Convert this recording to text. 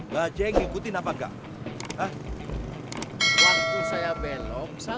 ga ditujukan di seluruh maya padahal